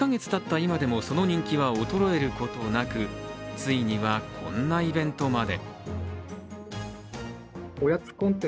今でもその人気は衰えることなくついには、こんなイベントまで。